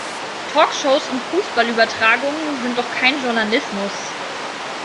Talkshows und Fußballübertragungen sind doch kein Journalismus!